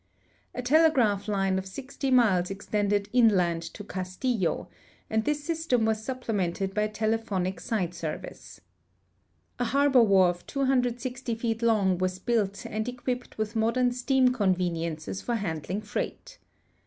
A telegrapli line of 60 miles extended inland to Castillo, and this system was su[)plemented by telephonic side service. A harbor wharf 260 feet long was built and equij)ped with modern steam conveniences for handling freight.